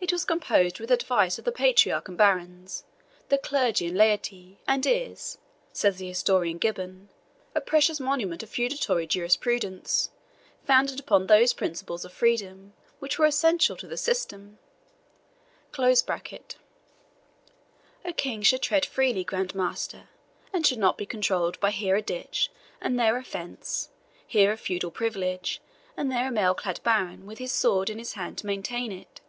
"It was composed with advice of the patriarch and barons, the clergy and laity, and is," says the historian Gibbon, "a precious monument of feudatory jurisprudence, founded upon those principles of freedom which were essential to the system."] A king should tread freely, Grand Master, and should not be controlled by here a ditch, and there a fence here a feudal privilege, and there a mail clad baron with his sword in his hand to maintain it.